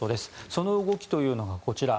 その動きというのがこちら。